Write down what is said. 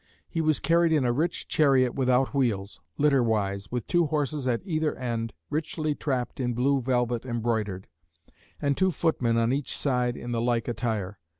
He was carried in a rich chariot without wheels, litter wise; with two horses at either end, richly trapped in blue velvet embroidered; and two footmen on each side in the like attire.